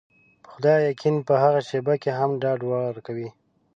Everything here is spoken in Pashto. په خدای يقين په هغه شېبه کې هم ډاډ ورکوي.